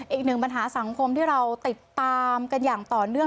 อีกหนึ่งปัญหาสังคมที่เราติดตามกันอย่างต่อเนื่อง